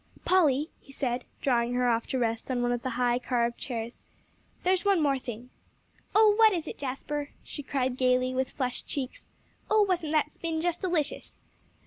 "Polly," he said, drawing her off to rest on one of the high, carved chairs, "there's one more thing." "Oh, what is it Jasper?" she cried gaily, with flushed cheeks. "Oh, wasn't that spin just delicious?"